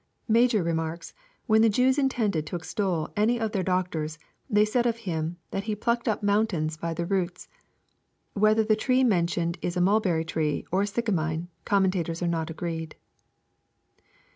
Major remarks, " When the Jews intended to extol any of their doctors, they said of him, that he plucked up mountains by the roots." Whether the tree men tioned is a mulberry tree, or a sycamine, commentators are not agreed.